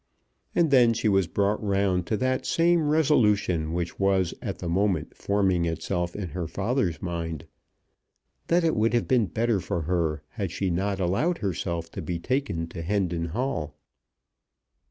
And then she was brought round to that same resolution which was at the moment forming itself in her father's mind; that it would have been better for her had she not allowed herself to be taken to Hendon Hall.